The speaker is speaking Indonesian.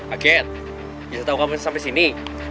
aget dia tahu kamu sampai sini